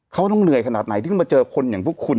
เขาต้องเหนื่อยขนาดไหนที่คุณมาเจอคนอย่างพวกคุณ